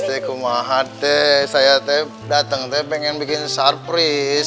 daya tidak dengan bikin obviously bright size senang